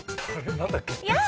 何だっけ？